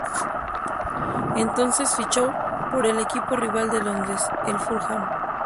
Entonces fichó por el equipo rival de Londres, el Fulham.